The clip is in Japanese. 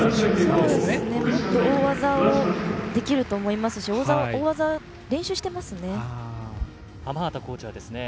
もっと大技をできると思いますし大技練習してますね。